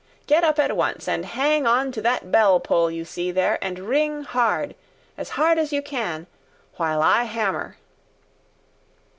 _ Get up at once and hang on to that bell pull you see there, and ring hard, as hard as you can, while I hammer!"